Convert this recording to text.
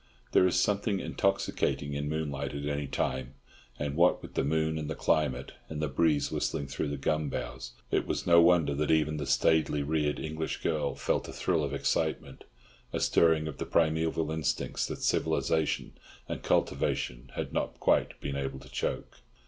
There is something intoxicating in moonlight at any time; and what with the moon and the climate, and the breeze whistling through the gum boughs, it was no wonder that even the staidly reared English girl felt a thrill of excitement, a stirring of the primeval instincts that civilization and cultivation had not quite been able to choke.